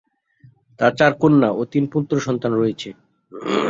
তার চার কন্যা ও তিন পুত্র সন্তান রয়েছে।